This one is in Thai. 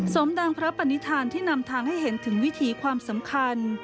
สมดังพระปณิธานที่นำทางให้เห็นถึงวิถีความสำคัญ